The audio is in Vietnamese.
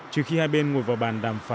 trừ khi hai bên ngồi vào bàn đàm phán